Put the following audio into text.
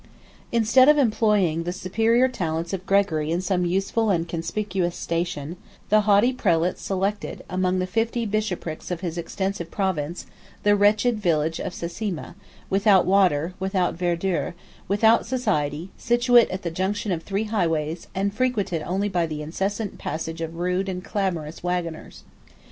29 Instead of employing the superior talents of Gregory in some useful and conspicuous station, the haughty prelate selected, among the fifty bishoprics of his extensive province, the wretched village of Sasima, 30 without water, without verdure, without society, situate at the junction of three highways, and frequented only by the incessant passage of rude and clamorous wagoners.